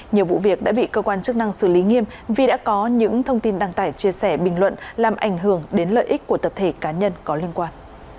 nhiều vụ việc đã bị cơ quan chức năng xử lý nghiêm vì đã có những thông tin đăng tải chia sẻ bình luận làm ảnh hưởng đến lợi ích của tập thể cá nhân có liên quan